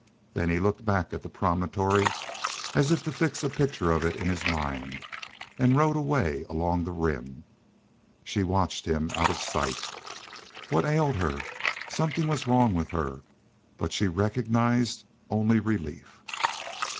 Then he looked back at the promontory, as if to fix a picture of it in his mind, and rode away along the Rim. She watched him out of sight. What ailed her? Something was wrong with her, but she recognized only relief.